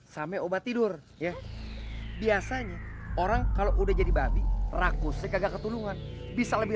sampai obat tidur ya biasanya orang kalau udah jadi babi raku saya kagak ketulungan bisa lebih